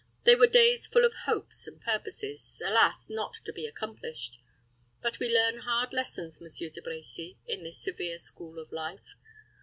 They were days full of hopes and purposes, alas! not to be accomplished. But we learn hard lessons, Monsieur De Brecy, in this severe school of life.